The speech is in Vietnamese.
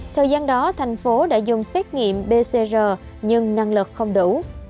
thời gian đó thành phố đã dùng xét nghiệm pcr nhưng năng lực không đủ